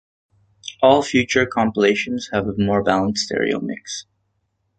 All future compilations have a more balanced stereo mix.